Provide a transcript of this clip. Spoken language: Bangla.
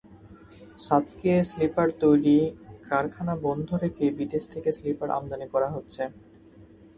ছাতকে স্লিপার তৈরি কারখানা বন্ধ রেখে বিদেশ থেকে স্লিপার আমদানি করা হচ্ছে।